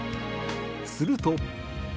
すると。